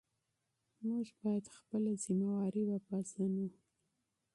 موږ بايد خپل مسؤليت وپېژنو.